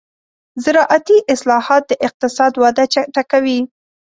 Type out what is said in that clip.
زراعتي اصلاحات د اقتصاد وده چټکوي.